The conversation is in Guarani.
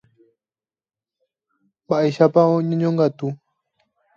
Mba'éichapa oñeñongatu.